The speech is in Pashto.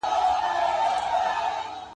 که ساعت وي نو ناوخته کیدل نه راځي.